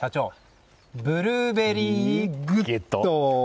ブルーベリーグッド！